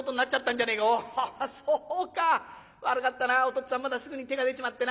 っつぁんまたすぐに手が出ちまってな。